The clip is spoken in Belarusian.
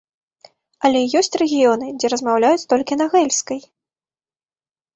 Але ёсць рэгіёны, дзе размаўляюць толькі на гэльскай.